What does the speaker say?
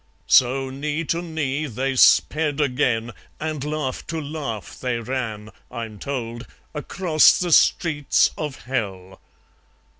So knee to knee they sped again, And laugh to laugh they ran, I'm told, Across the streets of Hell